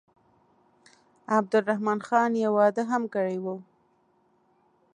عبدالرحمن خان یو واده هم کړی وو.